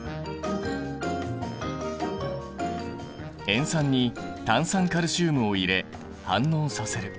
塩酸に炭酸カルシウムを入れ反応させる。